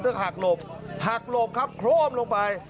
เพื่อหากโหลบหากโหลบครับโคร่มลงไป